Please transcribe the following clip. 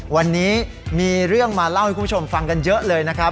วันนี้มีเรื่องมาเล่าให้คุณผู้ชมฟังกันเยอะเลยนะครับ